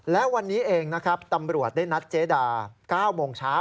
และวันนี้เองนะครับตำรวจได้นัดเจดา๙โมงเช้า